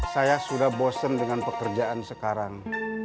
saya sudah bosen dengan pekerjaan sekarang